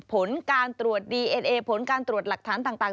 ผลการตรวจดีเอ็นเอผลการตรวจหลักฐานต่าง